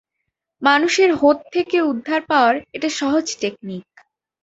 মানুষের হোত থেকে উদ্ধার পাওয়ার এটা সহজ টেকনিক।